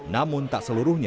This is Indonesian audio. namun tak seluruhnya